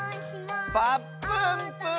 「ぱっぷんぷぅ」！